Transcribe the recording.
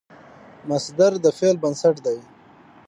مصدر د فعل بنسټ دئ.